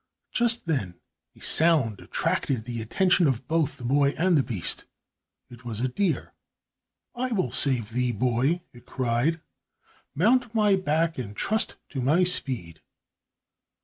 Just then a sound attracted the attention of both the boy and the beast. It was a deer. "I will save thee, boy," it cried. "Mount my back and trust to my speed."